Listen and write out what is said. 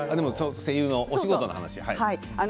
声優のお仕事の話ですね。